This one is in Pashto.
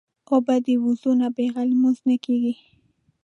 اوبه د وضو نه بغیر لمونځ نه کېږي.